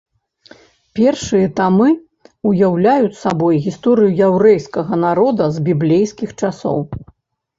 Першыя тамы ўяўляюць сабой гісторыю яўрэйскага народа з біблейскіх часоў.